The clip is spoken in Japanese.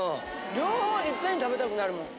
両方いっぺんに食べたくなるもん。